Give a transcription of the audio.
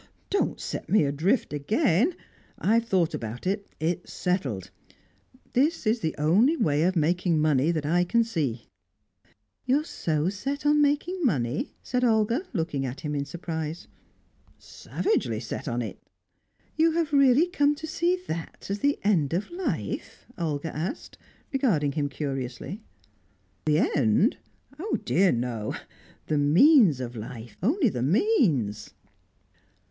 "Don't set me adrift again. I've thought about it; it's settled. This is the only way of making money, that I can see." "You are so set on making money?" said Olga, looking at him in surprise. "Savagely set on it!" "You have really come to see that as the end of life?" Olga asked, regarding him curiously. "The end? Oh, dear no! The means of life, only the means!"